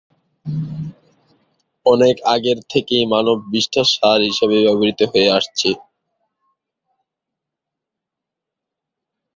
অনেক আগের থেকেই মানব বিষ্ঠা সার হিসাবে ব্যবহৃত হয়ে আসছে।